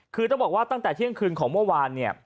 คือต้องบอกว่าตั้งแต่เที่ยงคืนของเมื่อวานเนี่ย